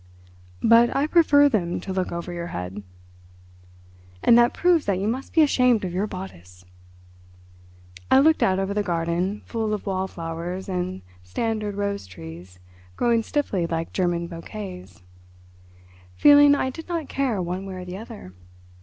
"But I prefer them to look over your head." "And that proves that you must be ashamed of your bodice." I looked out over the garden full of wall flowers and standard rose trees growing stiffly like German bouquets, feeling I did not care one way or the other.